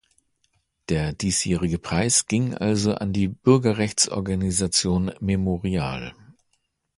Der diesjährige Preis ging also an die Bürgerrechtsorganisation "Memorial".